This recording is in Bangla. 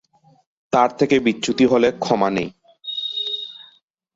তার থেকে বিচ্যুতি হলে ক্ষমা নেই।